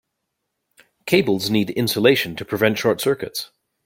Cables need insulation to prevent short circuits.